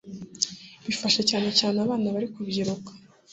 bifasha cyane cyane abana bari kubyiruka